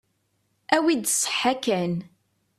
Awi-d ṣṣeḥḥa kan.